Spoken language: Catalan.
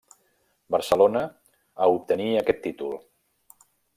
Barcelona, a obtenir aquest títol.